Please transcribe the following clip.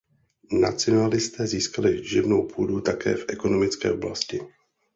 Nacionalisté získali živnou půdu také v ekonomické oblasti.